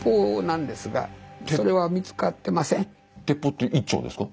鉄砲って１丁ですか？